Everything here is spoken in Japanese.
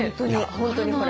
本当にほら。